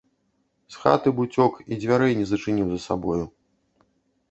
З хаты б уцёк і дзвярэй не зачыніў за сабою.